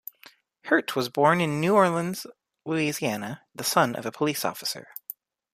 Hirt was born in New Orleans, Louisiana, the son of a police officer.